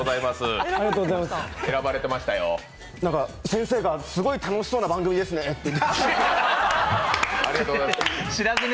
先生が、すごい楽しそうな番組ですねって。